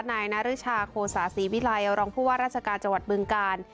นายนาริชาโคศาศรีวิลัยรองผู้ว่าราชการจังหวัดบึงกาล